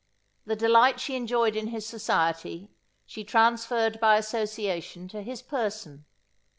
The delight she enjoyed in his society, she transferred by association to his person.